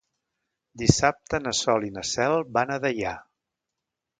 Dissabte na Sol i na Cel van a Deià.